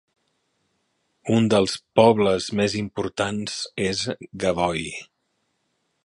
Un dels pobles més importants és Gavoi.